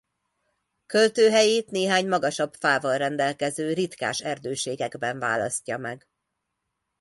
Költőhelyét néhány magasabb fával rendelkező ritkás erdőségekben választja meg.